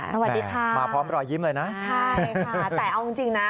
สวัสดีค่ะมาพร้อมรอยยิ้มเลยนะใช่ค่ะแต่เอาจริงจริงนะ